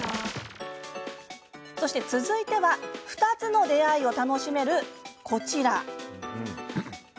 続いては２つの出会いを楽しめる、こちら。